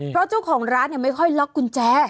เพราะเจ้าของร้านไม่ค่อยล็อกกุญแจ